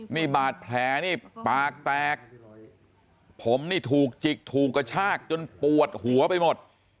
นี่บาดแผลนี่ปากแตกผมนี่ถูกจิกถูกกระชากจนปวดหัวไปหมด